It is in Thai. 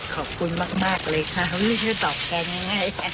ขอบคุณมากเลยค่ะดอกแกง่าย